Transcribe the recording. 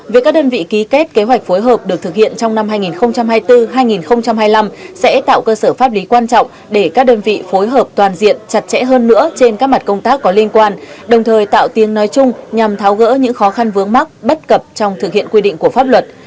việc các đơn vị ký kết kế hoạch phối hợp được thực hiện trong năm hai nghìn hai mươi bốn hai nghìn hai mươi năm sẽ tạo cơ sở pháp lý quan trọng để các đơn vị phối hợp toàn diện chặt chẽ hơn nữa trên các mặt công tác có liên quan đồng thời tạo tiếng nói chung nhằm tháo gỡ những khó khăn vướng mắc bất cập trong thực hiện quy định của pháp luật